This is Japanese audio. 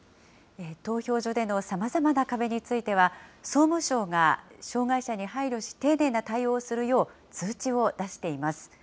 投票所でのさまざまな壁については、総務省が障害者に配慮し、丁寧な対応をするよう通知を出しています。